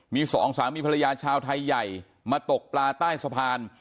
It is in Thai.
มีสองสามีภรรยาชาวไทยใหญ่มาตกปลาใต้สะพาน